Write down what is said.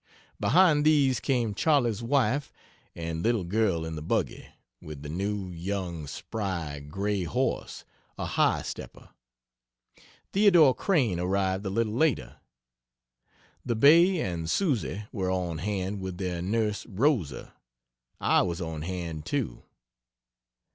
Behind these came Charley's wife and little girl in the buggy, with the new, young, spry, gray horse a high stepper. Theodore Crane arrived a little later. The Bay and Susy were on hand with their nurse, Rosa. I was on hand, too.